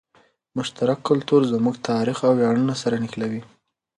مشترک کلتور زموږ تاریخ او ویاړونه سره نښلوي.